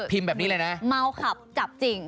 พิมพ์แบบนี้เลยนะเมาขับจับจิง